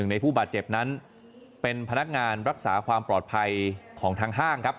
ในผู้บาดเจ็บนั้นเป็นพนักงานรักษาความปลอดภัยของทางห้างครับ